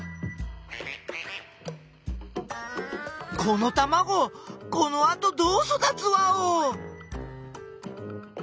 このたまごこのあとどうそだつワオ！？